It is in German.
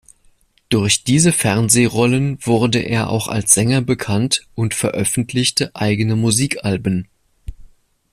Durch diese Fernsehrollen wurde er auch als Sänger bekannt und veröffentlichte eigene Musikalben.